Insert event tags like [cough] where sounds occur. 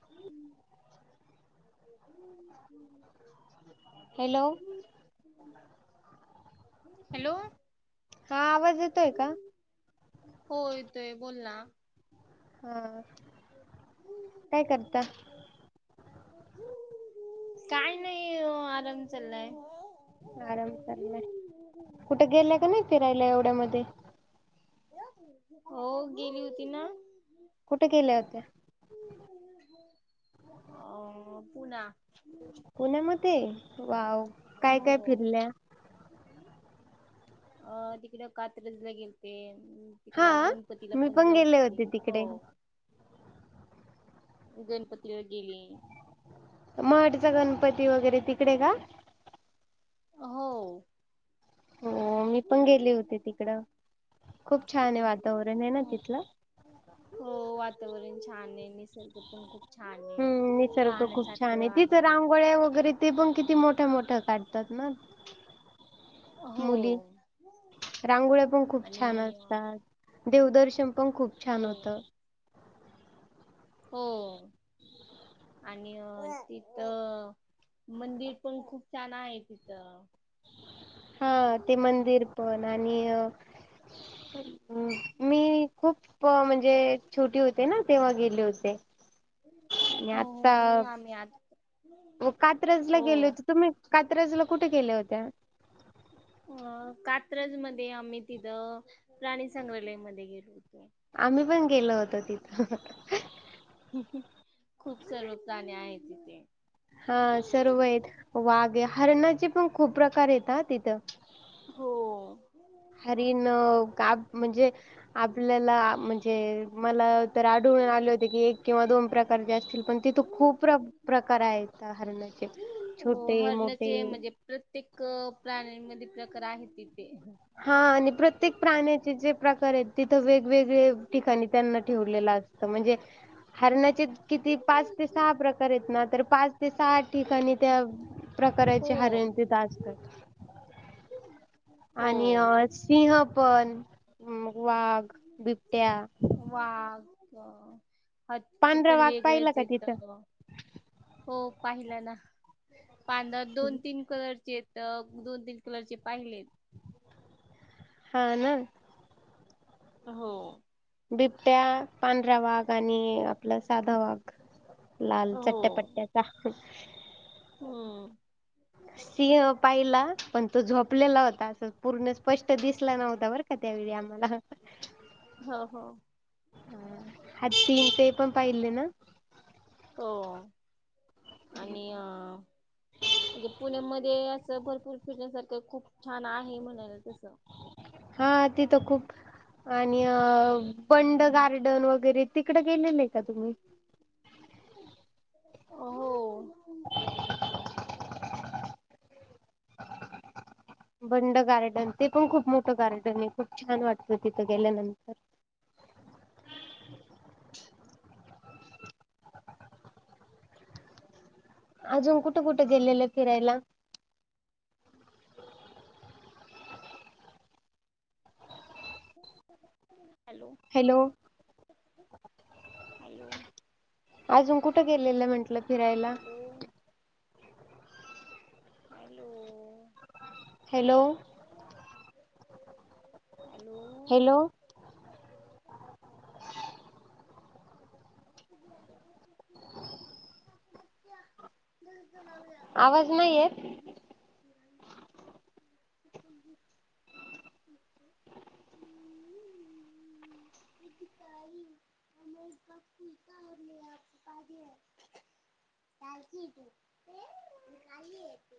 हम्् [inaudible] hello hello, हा आवाज येतोय का हो येतोय बोला. हा काय करता. काय नाही आराम चाललाय. आराम चाललाय कुठे गेलं का नाही हो फिरायला एवढ्या मध्ये? हो गेली होती ना. कुठे गेल्या होते्या? अ पुना. पुण्यामध्ये वाव काय हो काय फिरल्या? अ तिकडे कात्रजला गेल ते्. तिकड हा गणपतीला मी पण जाऊन गेले आले होते हो. तिकडे गणपती व गेली. मठचा गणपती वगैरे तिकडे का? हो हो मी पण गेले होते तिकड खूप छान आहे वातावरण आहे ना हो तिथलं हो वातावरण छान आहे निसर्ग पण खूप छान आहे. हम्म निसर्ग खूप छ आहे तिथ रांगोळ्या वगैरे ते पण किती मोठ्या मोठ्या काढ तात ना. मुली हो रांगोळ्या पण खूप छान आणि असतात. देवदर्शन पण खूप छान हो होतं. हो आणि तिथं मंदिर पण खूप छान आहे तिथं. हा ते मंदिर पण आणि मी खूप म्हणजे छोटी होते ना तेेवा्हा गेले होते. आणि हो हो नाही आम्ही आत- व कात्रजला गेले होते तुम्ही कात्रजला कुठे गेल्या होत्या? अ कात्रज मध्ये आम्ही तिथं प्राणी संग्रहालयमध्येध्ये गेलो होतो. आम्ही पण गेलो होतो. तिथं, खूप सर्व प्राणी आहेत तिथे हा सर्व आहेत वाघ हरणाचे पण खूप प्रकार आहेत ह तिथं, हो हरीण का म्हणजे आपल्याला म्हणजे मला तर आढळून आले होते की एक किंवा दोन प्रकारचे असतील पण तिथू खूप प्रकार आहेत हरणाचे हो छोटे मोठे हरणाचे म्हणजे प्रत्येक प्राण्यांमध्ये प्रकार आहे तिथे हा आणि प्रत्येक प्राण्याचे जे प्रकार आहेत, तिथं वेगवेगळे ठिकाणी त्यांना ठेवलेलं असतं म्हणजे, हरणाचे किती पाच ते सहा प्रकार आहेत ना तर पाच ते सहा ठिकाणी त्या हो प्रकाराचे हरण ते असतात. आणि हो. अ सिंह पण वाघ, बिबट्या, वाघ हचे पांढरा पण वाघ पाहिला वेगळेंच का येत. तिथं हो पाहिला ना पांधर दोन तीन कलरचे आहेत दोन तीन कलरचे पाहिले आहे हा ना हो बिबट्या, पांढरा वाघ आणि आपलं साधा वाघ लाल हो चट्ट्यापट्ट्याचा हम्म सिंह पाहिला पण तो झोपलेला होता अस पूर्ण स्पष्ट दिसला नव्हता बरं त्या्यावेळी आम्हाला हो हो. हाती ते पण पाहिले ना. हो आणि अ म्हणजे पुणेमध्येध्ये भरपूर फिटण्यास सारखं खूप छान आहे म्हणाला तसं हा तिथ खूप आणि बंड गार्डन वगैरे तिकडे गेलेलं आहे का तुम्ही? अ हो. [inaudible] [inaudible] बंड गार्डन. ते पण खूप मोठं गार्डने. खूप छान वाटतं तिथं गेल्यानंतर. अजून कुठं कुठं गेलेलं फिरायला? हॅलो. हॅलो. हॅलो. अजून कुठं गेलेलं म्हंटलं फिरायला? Hello hello. Hello. Hello. Hello. [inaudible] आवाज नाही येत [inaudible] [inaudible] [inaudible]